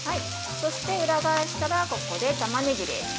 そして裏返したらここでたまねぎです。